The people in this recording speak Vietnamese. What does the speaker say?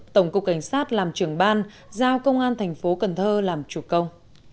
tổng cục cảnh sát làm trưởng ban giao công an thành phố cần thơ làm chủ công